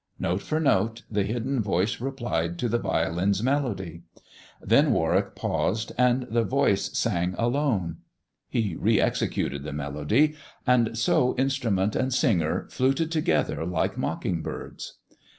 Note for note the hidden voice replied to the violin's melody. Then Warwick paused, and the voice sang alone ; he re executed the melody, and so instrument and singer fluted together like mocking birds.